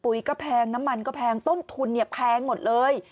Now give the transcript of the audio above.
ปุ๋ยก็แพงน้ำมันก็แพงต้มทุนแพงหมดเลย